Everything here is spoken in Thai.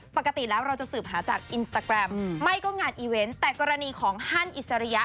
ปกติแล้วเราจะสืบหาจากอินสตาแกรมไม่ก็งานอีเวนต์แต่กรณีของฮันอิสริยะ